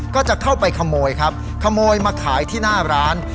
ก็จะเข้าไปขโมยครับขโมยมาขายที่หน้าร้าน